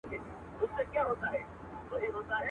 نې غېيم، نې ښخوم.